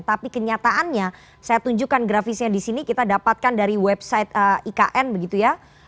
tapi kenyataannya saya tunjukkan grafisnya di sini kita dapatkan dari website ikn begitu ya